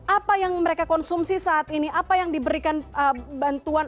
apa yang mereka konsumsi saat ini apa yang diberikan bantuan